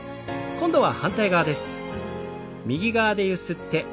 今度は反対側です。